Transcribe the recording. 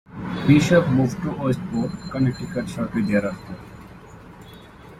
Bishop moved to Westport, Connecticut shortly thereafter.